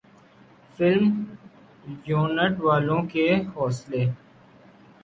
film unit والوں کے حوصلے